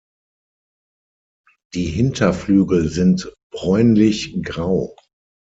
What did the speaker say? Die Hinterflügel sind bräunlichgrau.